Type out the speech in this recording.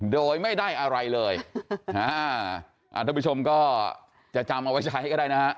โดยไม่ได้อะไรเลยท่านผู้ชมก็จะจำเอาไว้ใช้ก็ได้นะฮะ